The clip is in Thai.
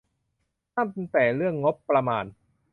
ตั้งแต่เรื่องงบประมาณ